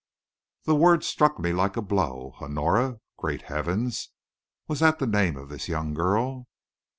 The word struck me like a blow. "Honora!" Great heaven! was that the name of this young girl?